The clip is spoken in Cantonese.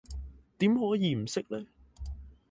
點可以唔識呢？